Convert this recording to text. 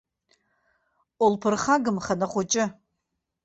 Улԥырхагамхан ахәыҷы!